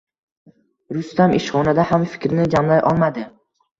Rustam ishxonada ham fikrini jamlay olmadi